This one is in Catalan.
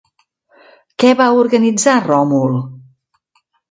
Què va organitzar Ròmul?